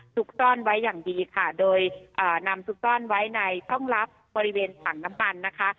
ซุกซ่อนไว้อย่างดีค่ะโดยนำซุกซ่อนไว้ในห้องลับบริเวณถังน้ำมันนะคะ